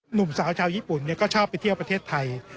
หนุ่มสาวชาวญี่ปุ่นก็ชอบไปเที่ยวประเทศไทย